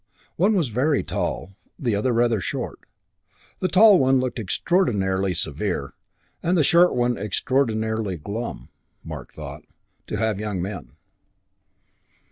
One was very tall, the other rather short. The tall one looked extraordinarily severe and the short one extraordinarily glum, Mark thought, to have young men.